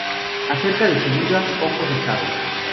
Acerca de su vida poco se sabe.